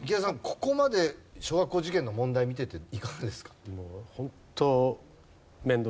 ここまで小学校受験の問題見てていかがですか？